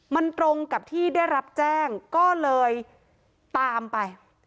มันตรงกับที่ได้รับแจ้งก็เลยตามไป